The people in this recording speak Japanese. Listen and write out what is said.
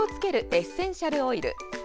エッセンシャルオイル。